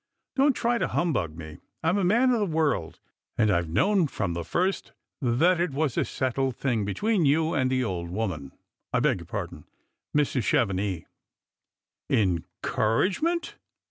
Don't try to humbug me. I'm a man of the world, and I've known from the first that it was a settled thing between you and the old woman — I beg your pardon, Mrs. Chevenix." "Encouragement!"